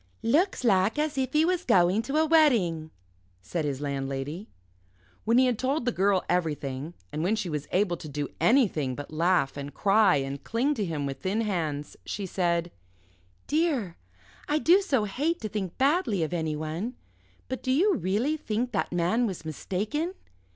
"Looks like as if he was going to a wedding," said his landlady. When he had told the Girl everything, and when she was able to do anything but laugh and cry and cling to him with thin hands, she said "Dear I do so hate to think badly of anyone. But do you really think that man was mistaken?